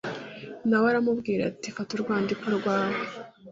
Na we aramubwira ati fata urwandiko rwawe